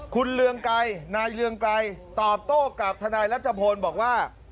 คุณเรืองไกรนายเรืองไกรตอบโต้กับทนายรัชพลบอกว่า